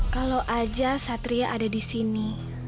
kalau aja satria ada di sini